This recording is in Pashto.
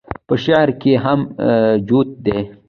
پۀ شاعرۍ کښې هم جوت دے -